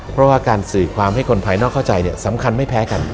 เพราะว่าการสื่อความให้คนภายนอกเข้าใจสำคัญไม่แพ้กัน